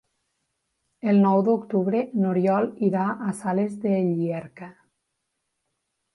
El nou d'octubre n'Oriol irà a Sales de Llierca.